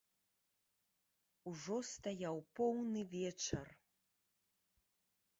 Ужо стаяў поўны вечар.